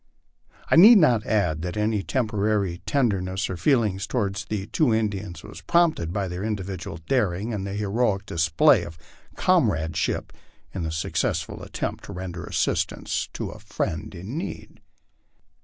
I need not add that any temporary tenderness of feel ing toward the two Indians was prompted by their individual daring and the heroic display of comradeship in the successful attempt to render assistance to a friend in need.